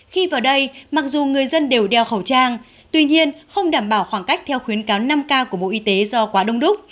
khi vào đây mặc dù người dân đều đeo khẩu trang tuy nhiên không đảm bảo khoảng cách theo khuyến cáo năm k của bộ y tế do quá đông đúc